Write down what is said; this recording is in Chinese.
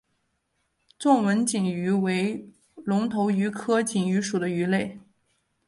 纵纹锦鱼为隆头鱼科锦鱼属的鱼类。